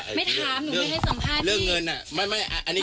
ไม่ถามหนูไม่ให้สัมภาษณ์ดี